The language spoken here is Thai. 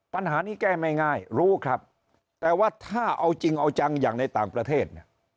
ปัญหานี้แก้ไม่ง่ายรู้ครับแต่ว่าถ้าเอาจริงเอาจังอย่างในต่างประเทศเนี่ย